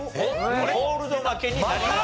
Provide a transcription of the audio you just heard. コールド負けになります。